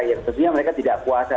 yang tentunya mereka tidak puasa